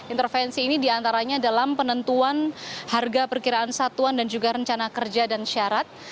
intervensi ini diantaranya dalam penentuan harga perkiraan satuan dan juga rencana kerja dan syarat